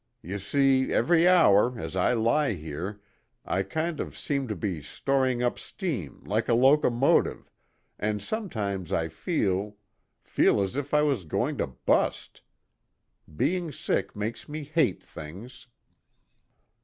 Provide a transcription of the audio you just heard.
Y'see every hour, as I lie here, I kind of seem to be storing up steam like a locomotive, and sometimes I feel feel as if I was going to bust. Being sick makes me hate things."